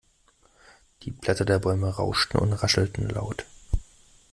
Die Blätter der Bäume rauschten und raschelten laut.